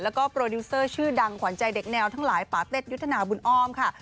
แล้วก็โปรดิวเซอร์ชื่อดังขวัญใจเด็กแนวทั้งหลายปาเต็ดยุทธนาบุญอ้อมค่ะ